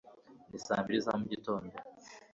ni saa mbiri za mugitondo